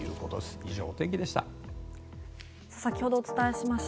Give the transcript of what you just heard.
以上、お天気でした。